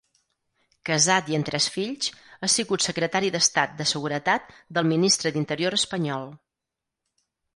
Casat i amb tres fills, ha sigut Secretari d'Estat de Seguretat del Ministre d'Interior Espanyol.